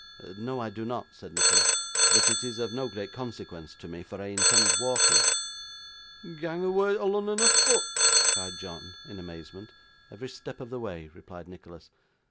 'No, I do not,' said Nicholas; 'but it is of no great consequence to me, for I intend walking.' 'Gang awa' to Lunnun afoot!' cried John, in amazement. 'Every step of the way,' replied Nicholas.